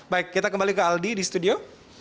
baik kita kembali ke aldi di studio